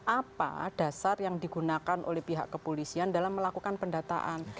apa dasar yang digunakan oleh pihak kepolisian dalam melakukan pendataan